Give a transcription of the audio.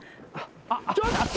ちょっと。